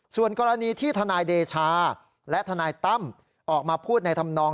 ส่วนกรณีที่ทนายเดชาและทนายตั้มออกมาพูดในธรรมนอง